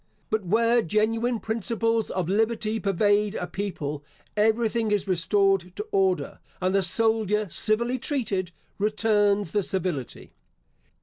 But where genuine principles of liberty pervade a people, every thing is restored to order; and the soldier civilly treated, returns the civility.